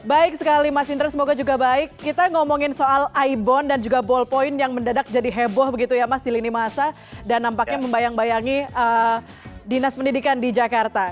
baik sekali mas indra semoga juga baik kita ngomongin soal ibon dan juga ballpoint yang mendadak jadi heboh begitu ya mas di lini masa dan nampaknya membayang bayangi dinas pendidikan di jakarta